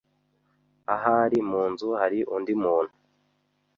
Ahari munzu hari undi muntu.